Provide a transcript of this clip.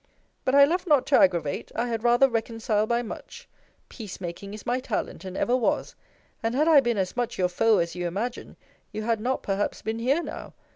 But I love not to aggravate. I had rather reconcile by much. Peace making is my talent, and ever was. And had I been as much your foe, as you imagine, you had not perhaps been here now.